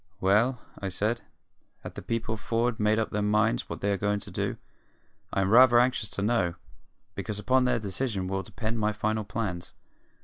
"Well," I said, "have the people for'ard made up their minds what they are going to do? I am rather anxious to know, because upon their decision will depend my final plans."